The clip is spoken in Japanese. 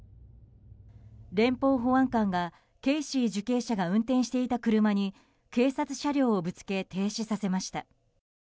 連邦保安官がケイシー受刑者が運転していた車に警察車両をぶつけ停止させました。